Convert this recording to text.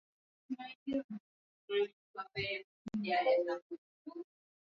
Wasikilizaji waendelea kushiriki moja kwa moja hasa katika matangazo yetu ya Sauti ya Afrika Moja kwa Moja.